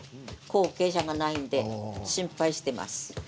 後継者がいないので心配しています。